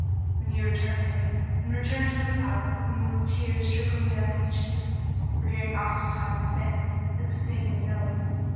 Then he left him and returned to his palace, with the tears trickling down his cheeks, for hearing oftentimes standeth instead of seeing and knowing.